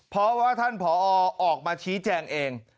เพราะว่าท่านผอออกมาชี้แจงเอง